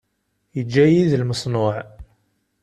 Iǧǧa-yi d lmeṣnuɛ.